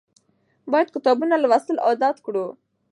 باید کتابونه لوستل عادت کړو.